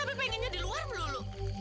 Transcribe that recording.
tapi inginnya di luar melulu